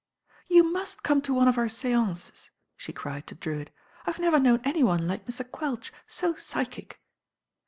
'•You must come to one of our seances," she cried to Drcwitt. "IVe never known any one like Mr. Uuelch, so psychic."